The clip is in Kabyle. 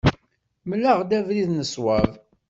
Mel-aɣ-d abrid n ṣṣwab.